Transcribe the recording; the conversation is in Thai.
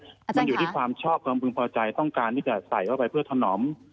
มันอยู่ที่ความชอบความพึงพอใจต้องการที่จะใส่เข้าไปเพื่อถนอม